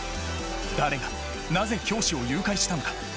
誰がなぜ教師を誘拐したのか。